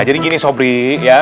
jadi gini sobri ya